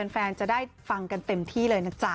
แฟนจะได้ฟังกันเต็มที่เลยนะจ๊ะ